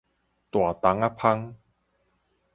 大筒仔蜂